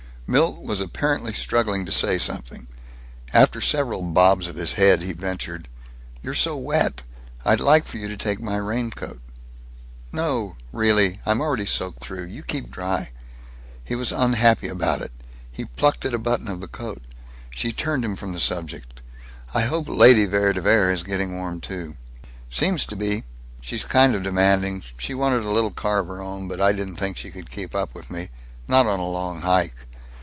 Milt was apparently struggling to say something. After several bobs of his head he ventured, "You're so wet! I'd like for you to take my raincoat." "No! Really! I'm already soaked through. You keep dry." He was unhappy about it. He plucked at a button of the coat. She turned him from the subject. "I hope Lady Vere de Vere is getting warm, too." "Seems to be. She's kind of demanding. She wanted a little car of her own, but I didn't think she could keep up with me, not on a long hike."